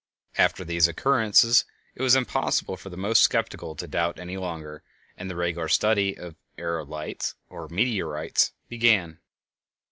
After these occurrences it was impossible for the most skeptical to doubt any longer, and the regular study of "aerolites," or "meteorites," began.